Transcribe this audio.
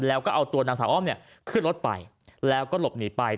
แล้วก็เอาตัวนางสาวอ้อมเนี่ยขึ้นรถไปแล้วก็หลบหนีไป